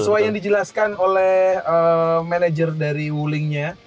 sesuai yang dijelaskan oleh manager dari ulingnya